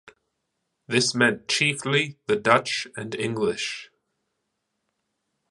This meant chiefly the Dutch and English.